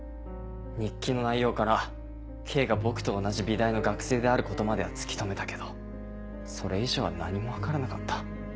日記の内容から「Ｋ」が僕と同じ美大の学生であることまでは突き止めたけどそれ以上は何も分からなかった。